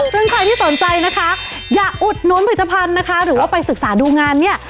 ซึ่งใครที่สนใจนะคะอย่าอุดนุนผลิตภัณฑ์นะคะหรือว่าไปศึกษาดูงานเนี่ย